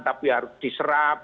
tapi harus diserap